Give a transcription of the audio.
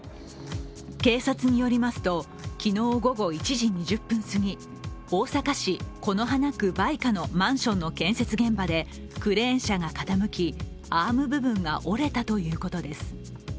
警察によりますと昨日午後１時２０分すぎ、大阪市此花区梅香のマンションの建設現場でクレーン車が傾き、アーム部分が折れたということです。